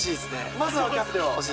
まずはキャプテンを。